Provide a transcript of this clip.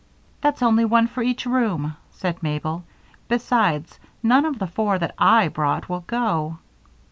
"That's only one for each room," said Mabel. "Besides, none of the four that I brought will go."